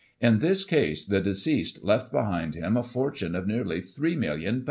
In this case the deceased left behind him a fortune of nearly ;£'3,ooo, ooo.